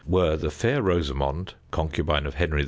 were the Fair Rosamond, concubine of Henry II.